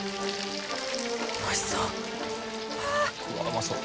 うわっうまそう。